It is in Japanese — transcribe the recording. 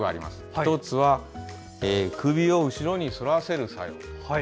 １つは、首を後ろに反らせる作用。